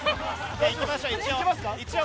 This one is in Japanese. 行きましょう、一応。